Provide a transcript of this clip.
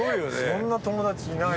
そんな友達いない。